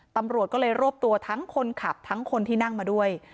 ตำรวจก็เลยรวบตัวทั้งคนขับทั้งคนที่นั่งมาด้วย